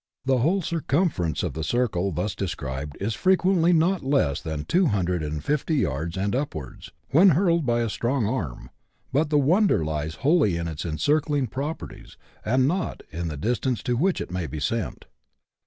The whole circumference of the circle thus described is frequently not less than 250 yards and upwards, when hurled by a strong arm ; but the wonder lies wholly in its encircling properties, and not in the distance to which it may be sent.